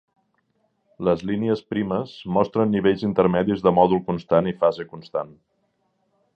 Les línies primes mostren nivells intermedis de mòdul constant i fase constant.